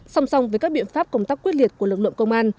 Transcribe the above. song song với các biện pháp công tác quyết liệt của lực lượng công an